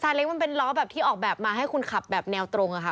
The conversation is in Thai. เล็กมันเป็นล้อแบบที่ออกแบบมาให้คุณขับแบบแนวตรงค่ะ